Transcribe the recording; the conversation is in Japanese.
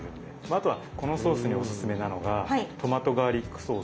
あとはこのソースにおすすめなのがトマトガーリックソース。